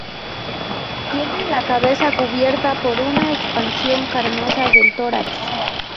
Tienen la cabeza cubierta por una expansión carnosa del tórax.